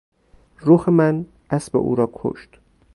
رخ من اسب او را کشت.